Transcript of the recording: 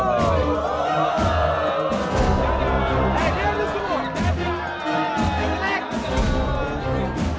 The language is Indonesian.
hei dia yang disuruh